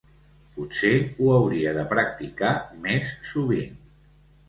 Potser ho hauria de practicar més sovint.